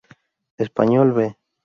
Español B